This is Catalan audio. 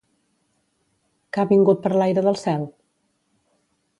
Que ha vingut per l'aire del cel?